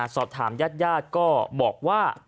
สอบถามญาติญาติก็บอกว่า